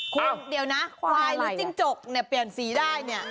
คุณเดี๋ยวนะควายหรือจิ้งจกมันเปลี่ยนสีได้นี่อะไรแล้ว